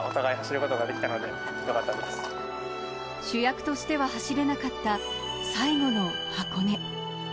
主役としては走れなかった最後の箱根。